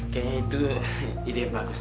kayaknya itu ide bagus